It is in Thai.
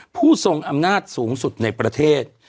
ผู้ทรงอำนาจสูงสุดในประเทศ